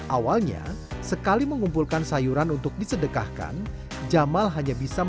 awalnya sekali mengumpulkan sayuran untuk disedekahkan